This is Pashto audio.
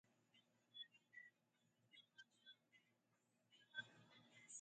قدرت د غرونو، سیندونو، دښتو او ځنګلونو ترمنځ توازن ساتي.